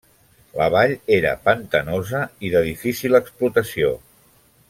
La vall era pantanosa i de difícil explotació.